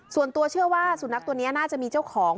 ส่วนตัวเชื่อว่าสุนัขตัวนี้น่าจะมีเจ้าของ